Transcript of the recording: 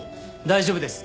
大丈夫です。